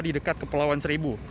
di dekat kepulauan seribu